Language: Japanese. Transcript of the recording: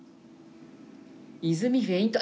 泉フェイント。